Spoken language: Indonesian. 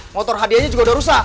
motor hadiahnya juga udah rusak